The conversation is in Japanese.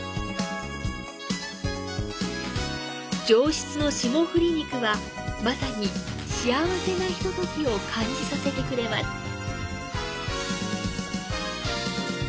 上質の霜降り肉はまさに幸せなひとときを感じさせてくれます。